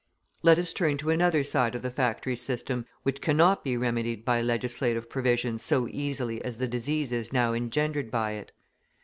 Let us turn to another side of the factory system which cannot be remedied by legislative provisions so easily as the diseases now engendered by it.